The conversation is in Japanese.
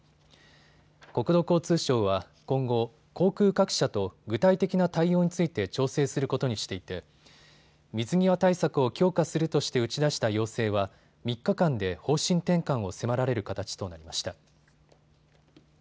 国土交通省は今後、航空各社と具体的な対応について調整することにしていて水際対策を強化するとして打ち出した要請は３日間で方針転換を迫られる形となりました。